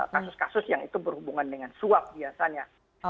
kasus kasus yang itu berhubungan dengan suap biasanya